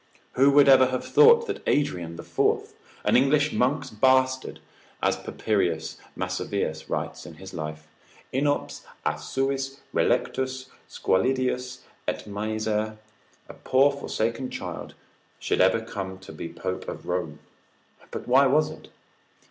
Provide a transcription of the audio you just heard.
Who would ever have thought that Adrian' the Fourth, an English monk's bastard (as Papirius Massovius writes in his life), inops a suis relectus, squalidus et miser, a poor forsaken child, should ever come to be pope of Rome? But why was it?